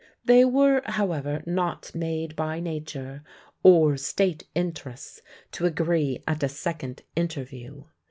They were, however, not made by nature, or state interests, to agree at a second interview.